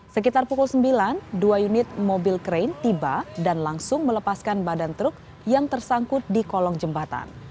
sekitar pukul sembilan dua unit mobil krain tiba dan langsung melepaskan badan truk yang tersangkut di kolong jembatan